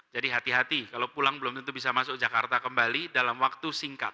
jadi hati hati kalau pulang belum tentu bisa masuk jakarta kembali dalam waktu singkat